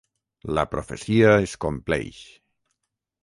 La profecia es compleix.